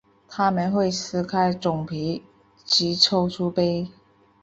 它们会撕开种皮及抽出胚。